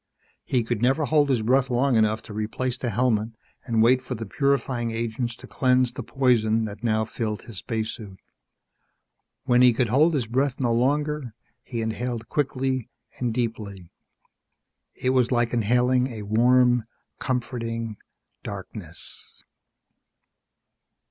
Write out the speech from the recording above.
He could never hold his breath long enough to replace the helmet and wait for the purifying agents to cleanse the poison that now filled his spacesuit. When he could hold his breath no longer, he inhaled quickly and deeply. It was like inhaling a warm, comforting darkness....